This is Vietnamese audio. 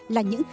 là những khi